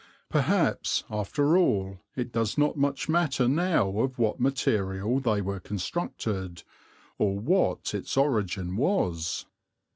Perhaps, after all, it does not much matter now of what material they were constructed, or what its origin was.